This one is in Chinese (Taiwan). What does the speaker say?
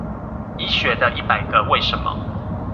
醫學的一百個為什麼